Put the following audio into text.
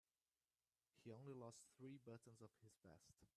He only lost three buttons off his vest.